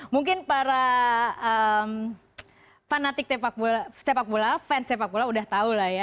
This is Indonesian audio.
mungkin para fanatik sepak bola fans sepak bola udah tahu lah ya